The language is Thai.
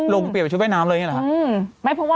เปลี่ยนชุดว่ายน้ำเลยอย่างนี้หรอครับ